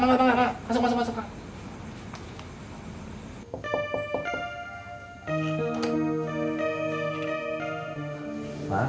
masuk masuk masuk mas